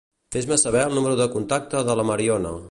Fes-me saber el número de contacte de la Mariona.